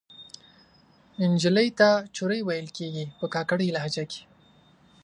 نجلۍ ته چورۍ ویل کیږي په کاکړۍ لهجه کښې